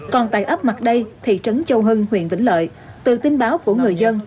còn tại ấp mặt đây thị trấn châu hưng huyện vĩnh lợi từ tin báo của người dân